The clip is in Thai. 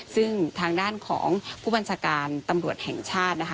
ซึ่งทางด้านของผู้บัญชาการตำรวจแห่งชาตินะคะ